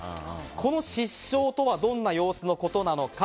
この失笑とはどんな様子のことなのか。